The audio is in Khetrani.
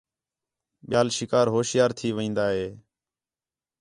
ٻِیال شکار ہوشیار تھی وین٘دا ہِے